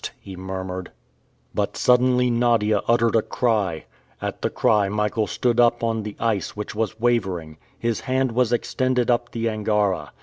he murmured. But suddenly Nadia uttered a cry. At the cry Michael stood up on the ice, which was wavering. His hand was extended up the Angara.